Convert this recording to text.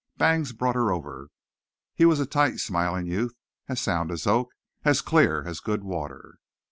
Bangs brought her over. He was a tight, smiling youth, as sound as oak, as clear as good water.